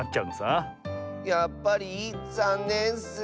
やっぱりざんねんッス。